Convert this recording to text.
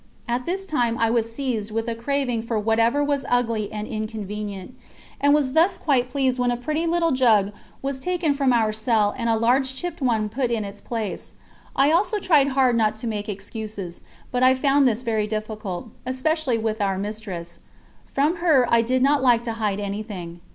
At this time I was seized with a craving for whatever was ugly and inconvenient; and was thus quite pleased when a pretty little jug was taken from our cell and a large chipped one put in its place. I also tried hard not to make excuses, but I found this very difficult, especially with our Mistress; from her I did not like to hide anything.